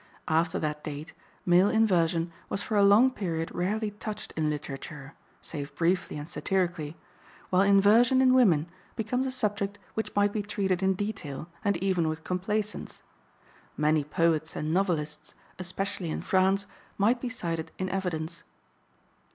After that date male inversion was for a long period rarely touched in literature, save briefly and satirically, while inversion in women becomes a subject which might be treated in detail and even with complacence. Many poets and novelists, especially in France, might be cited in evidence.